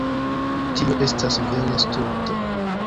Tio estas vere stulta.